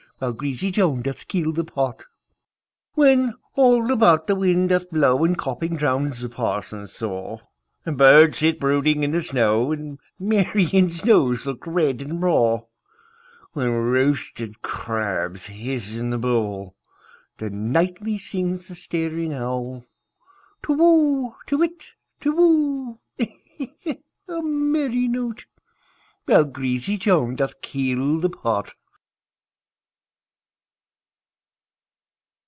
While greasy Joan doth keel the pot. When all about the wind doth blow, And coughing drowns the parson's saw, And birds sit brooding in the snow, And Marian's nose looks red and raw; When roasted crabs hiss in the bowl—Then nightly sings the staring owlTu whoo! To whit, Tu whoo! A merry note! While greasy Joan doth keel the pot.